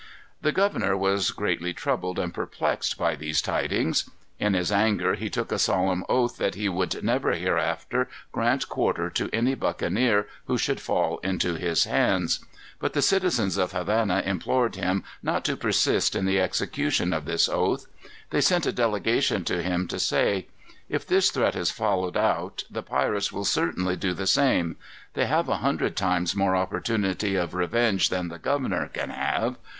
The governor was greatly troubled and perplexed by these tidings. In his anger he took a solemn oath that he would never hereafter grant quarter to any buccaneer who should fall into his hands. But the citizens of Havana implored him not to persist in the execution of this oath. They sent a delegation to him to say: "If this threat is followed out, the pirates will certainly do the same. They have a hundred times more opportunity of revenge than the governor can have.